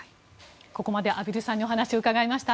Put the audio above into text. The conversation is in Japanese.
ここまで畔蒜さんにお話を伺いました。